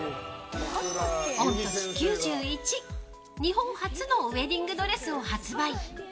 御年９１、日本初のウェディングドレスを発売。